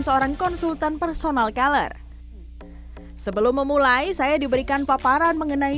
seorang konsultan personal color sebelum memulai saya diberikan paparan mengenai